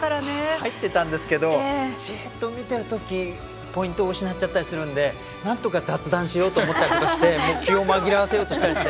入ってたんですけどじっと見てるときポイントを失っちゃったりするので、雑談したりして気を紛らわせようとしたりして。